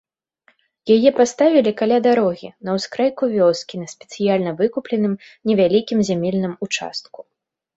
Яе паставілі каля дарогі на ўскрайку вёскі на спецыяльна выкупленым невялікім зямельным участку.